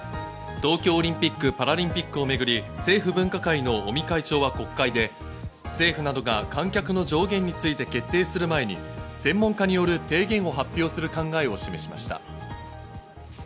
東京オリンピック・パラリンピックをめぐり、政府分科会の尾身会長は国会で政府などが観客の上限について決定する前に専門家による提言を発表する考えを示しました。